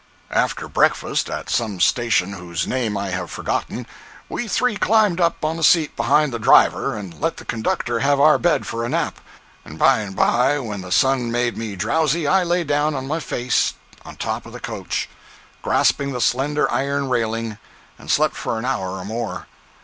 After breakfast, at some station whose name I have forgotten, we three climbed up on the seat behind the driver, and let the conductor have our bed for a nap. And by and by, when the sun made me drowsy, I lay down on my face on top of the coach, grasping the slender iron railing, and slept for an hour or more.